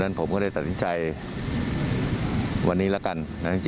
ต่อเนื่องหลายปีที่ผ่านมา